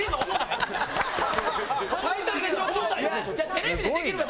テレビでできるか？